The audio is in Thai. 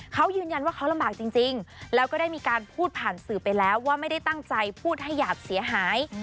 เขายืนยันว่าเขาลำบากจริงแล้วก็ได้มีการพูดผ่านสื่อไปแล้วว่าไม่ได้ตั้งใจพูดให้หยาบเสียหาย